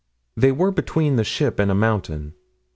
They were between the ship and a mountain.